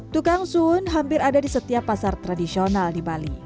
tukang sun hampir ada di setiap pasar tradisional di bali